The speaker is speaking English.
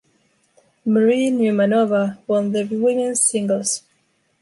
Marie Neumanova won the women’s singles.